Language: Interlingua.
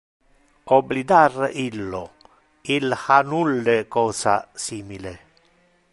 Oblidar illo, il ha nulle cosa simile.